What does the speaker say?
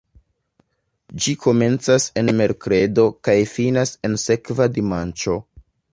Ĝi komencas en merkredo kaj finas en sekva dimanĉo.